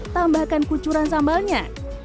tambahkan kucuran sambalnya